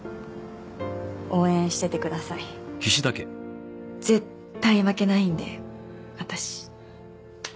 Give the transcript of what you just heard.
応援しててください「絶対負けないんで私」